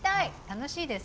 楽しいです。